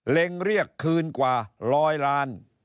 เล็งเรียกคืนกว่าร้อยล้าน